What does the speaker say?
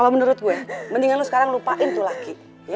kalau menurut gue mendingan lo sekarang lupain tuh laki